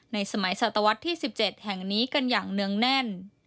สมัยศตวรรษที่๑๗แห่งนี้กันอย่างเนื่องแน่น